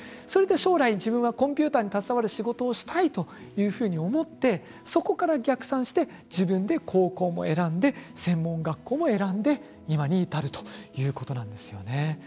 将来自分はコンピューターに携わる仕事がしたいというふうになってそこから逆算して自分で高校も選んで専門学校も選んで今に至るということなんですよね。